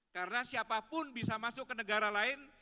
karena siapapun bisa masuk ke negara lain